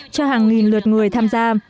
cho hàng nghìn lượt người tham gia